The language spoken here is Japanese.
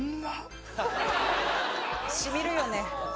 染みるよね。